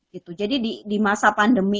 gitu jadi di masa pandemi